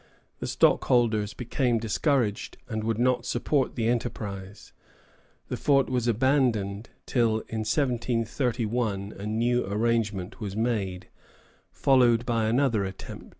The stockholders became discouraged, and would not support the enterprise. The fort was abandoned, till in 1731 a new arrangement was made, followed by another attempt.